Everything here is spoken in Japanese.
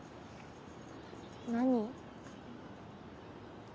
何？